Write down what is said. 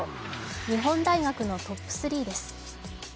日本大学のトップ３です。